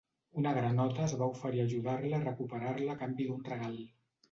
Una granota es va oferir a ajudar-la a recuperar-la a canvi d'un regal.